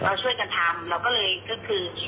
เราช่วยกันทำเราก็เลยก็คือ